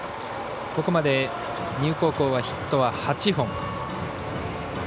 ここまで丹生高校はヒットは８本。